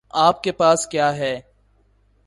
آپ کے پاس کیا ہے؟